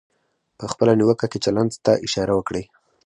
په خپله نیوکه کې چلند ته اشاره وکړئ.